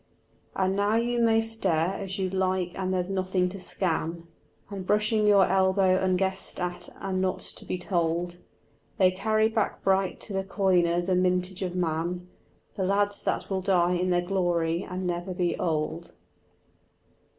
But now you may stare as you like and there's nothing to scan; And brushing your elbow unguessed at and not to be told They carry back bright to the coiner the mintage of man, The lads that will die in their glory and never be old.